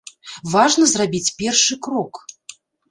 Важна зрабіць першы крок.